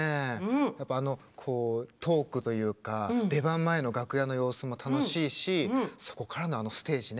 やっぱあのトークというか出番前の楽屋の様子も楽しいしそこからのあのステージね。